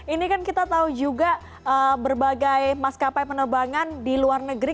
ini kan kita tahu juga berbagai maskapai penerbangan di luar negeri